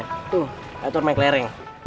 tuh atur naik lereng